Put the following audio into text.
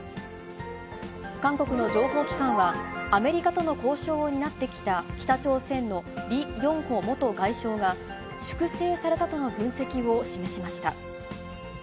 韓国の情報機関は、アメリカとの交渉を担ってきた北朝鮮のリ・ヨンホ元外相が粛清されたとの分析を示しました。